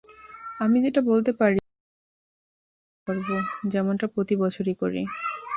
আমি যেটা বলতে পারি, আমি সর্বস্ব দিয়ে চেষ্টা করব, যেমনটা প্রতিবছরই করি।